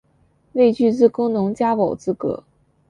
未具自耕农加保资格